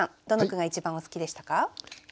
どの句が一番お好きでしたか？